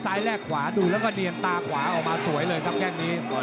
แลกขวาดูแล้วก็เนียนตาขวาออกมาสวยเลยครับแค่งนี้